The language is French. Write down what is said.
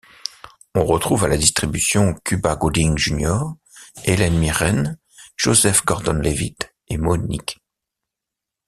On retrouve à la distribution Cuba Gooding Jr., Helen Mirren, Joseph Gordon-Levitt et Mo'Nique.